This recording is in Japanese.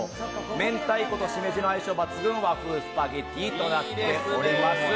明太子とシメジの相性抜群の和風スパゲティとなっております。